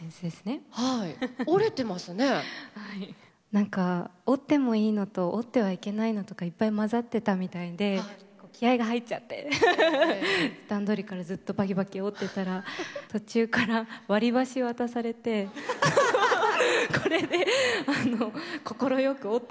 何か折ってもいいのと折ってはいけないのとかいっぱい混ざってたみたいで気合いが入っちゃって段取りからずっとバキバキ折ってたら途中から割り箸渡されてこれで快く折って下さいって言われました。